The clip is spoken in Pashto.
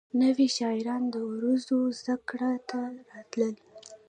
نوي شاعران د عروضو زدکړې ته راتلل.